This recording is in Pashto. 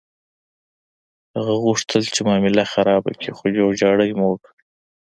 هغه غوښتل چې معامله خرابه کړي، خو جوړجاړی مو وکړ.